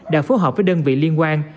đã phù hợp với đơn vị liên quan